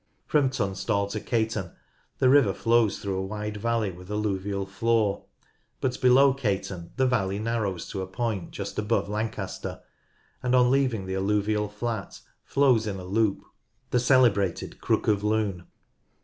From Tunstall to Caton the river flows through a wide valley with alluvial floor, but below Caton the valley narrows to a point just above Lancaster, and on leaving the alluvial flat flows in a loop, the celebrated "Crook of Lune."